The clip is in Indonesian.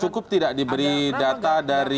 cukup tidak diberi data dari